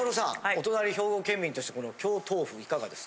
お隣兵庫県民として京豆腐いかがです？